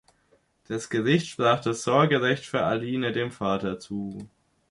Das Gericht sprach das Sorgerecht für Aline dem Vater zu.